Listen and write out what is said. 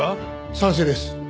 賛成です。